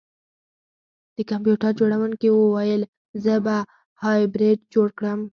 د کمپیوټر جوړونکي وویل زه به هایبریډ جوړ کړم